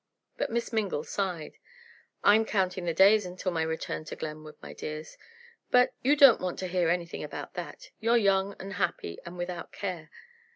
But Miss Mingle sighed. "I'm counting the days until my return to Glenwood, my dears. But, you don't want to hear anything about that, you're young and happy, and without care.